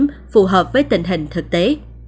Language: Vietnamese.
cùng một thời điểm phù hợp với tình hình thực tế